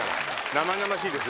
「生々しいです」